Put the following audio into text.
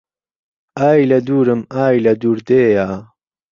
ئای لە دوورم ئای لە دوور دێیا